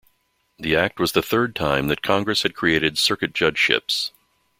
The act was the third time that Congress had created circuit judge-ships.